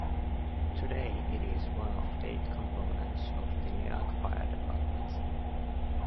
Today it is one of eight components of the Nyack Fire Department.